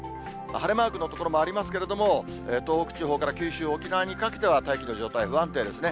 晴れマークの所もありますけれども、東北地方から九州、沖縄にかけては大気の状態不安定ですね。